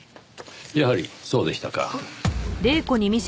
やはりそうでしたか。